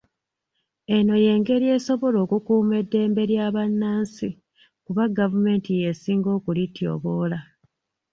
Eno y'engeri esobola okukuuma eddembe lya bannansi kuba gavumenti y'ensinga okulityoboola.